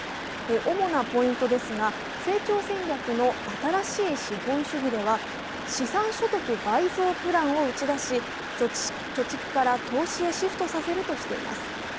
主なポイントですが、成長戦略の新しい資本主義では、資産所得倍増プランを打ち出し貯蓄から投資へシフトさせるとしています。